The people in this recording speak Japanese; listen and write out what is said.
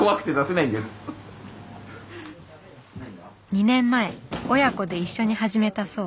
２年前親子で一緒に始めたそう。